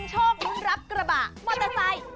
จะเลือกชิ้นโชครับกระบะมอเตอร์ไซค์